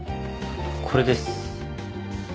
これです。